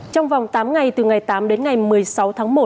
trong vòng tám ngày từ ngày tám đến ngày một mươi sáu tháng một